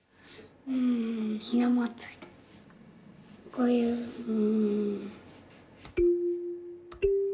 こういうん。